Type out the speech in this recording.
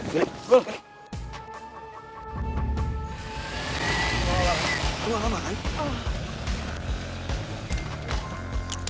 kenapa you get sick